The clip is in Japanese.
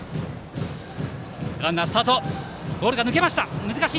ランナー、スタート！